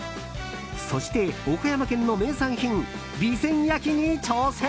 そして岡山県の名産品備前焼に挑戦。